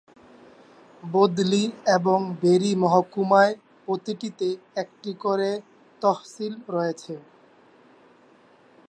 বদলি এবং বেরি মহকুমায় প্রতিটিতে একটি করে তহসিল রয়েছে।